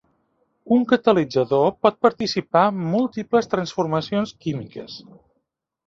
Un catalitzador pot participar en múltiples transformacions químiques.